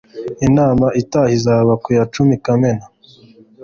Inama itaha izaba ku ya cumi Kamena.